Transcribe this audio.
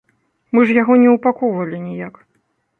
Мы ж яго не ўпакоўвалі ніяк.